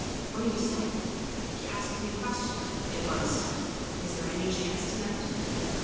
"What did he say?" "He asked me a question. It was: 'Is there any chance to night?'"